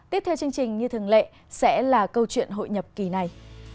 tiếp theo chương trình như thường lệ sẽ là câu chuyện hội nhập kỳ này